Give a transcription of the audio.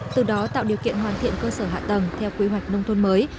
từ đó tạo điều kiện hoàn thiện cơ sở hạ tầng theo quy hoạch nông thôn mới